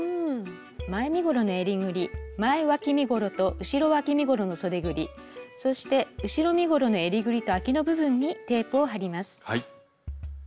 前身ごろの襟ぐり前わき身ごろと後ろわき身ごろのそでぐりそして後ろ身ごろの襟ぐりとあきの部分にテープを貼ります。